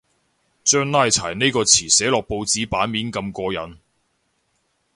將拉柴呢個詞寫落報紙版面咁過癮